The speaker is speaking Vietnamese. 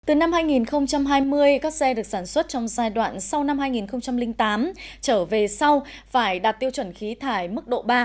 từ năm hai nghìn hai mươi các xe được sản xuất trong giai đoạn sau năm hai nghìn tám trở về sau phải đạt tiêu chuẩn khí thải mức độ ba